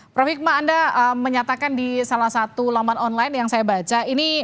prof hikmah anda menyatakan di salah satu laman online yang saya baca ini